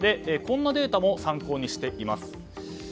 こんなデータも参考にしています。